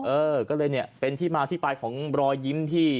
เออก็เลยเนี่ยเป็นที่มาที่ไปของรอยยิ้มที่